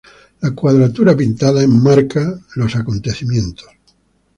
La cuadratura pintada enmarca los eventos.